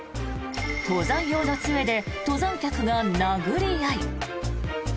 登山用の杖で登山客が殴り合い。